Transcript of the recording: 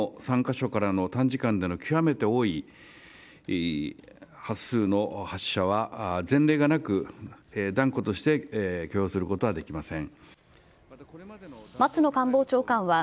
少なくとも３か所からの短時間での極めて多い発数の発射は、前例がなく、断固として許容することはできません。